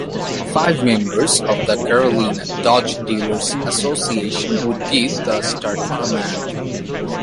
Five members of the Carolina Dodge Dealers Association would give the starting command.